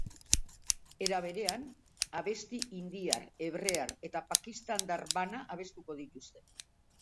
Era berean, abesti indiar, hebrear eta pakistandar bana abestuko dituzte.